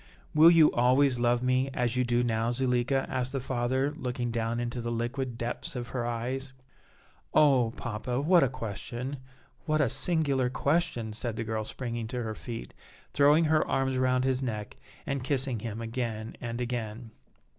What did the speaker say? "Will you always love me as you do now, Zuleika?" asked the father, looking down into the liquid depths of her eyes. "Oh! papa, what a question, what a singular question!" said the girl, springing to her feet, throwing her arms around his neck, and kissing him again and again.